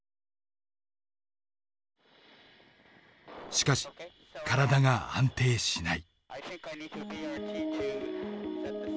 しかし体が安定しない。